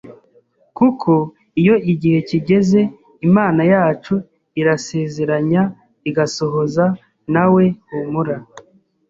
kuko iyo igihe kigeze Imana yacu irasezeranya igasohoza NAWE HUMURA.